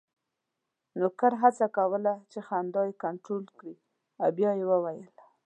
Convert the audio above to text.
نوکر هڅه کوله چې خندا یې کنټرول کړي او بیا یې وویل: